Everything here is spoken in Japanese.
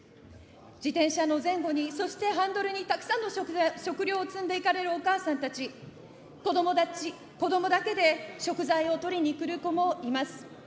自転車の前後に、そしてハンドルにたくさんの食材を積んでいかれるお母さんたち、子どもたち、子どもだけで食材を取りにくる子もいます。